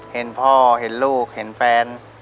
เห็นพ่อเห็นลูกเห็นแฟน